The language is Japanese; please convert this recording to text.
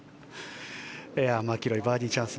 マキロイがバーディーチャンス。